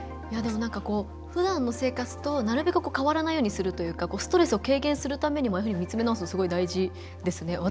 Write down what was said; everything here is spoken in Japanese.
ふだんの生活となるべく変わらないようにするというかストレスを軽減するためにも見つめ直すのすごい大事ですね。